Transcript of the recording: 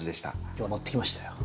今日は持ってきましたよ。